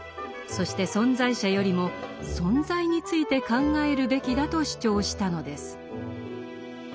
そして「存在者」よりも「存在」について考えるべきだと主張したのです。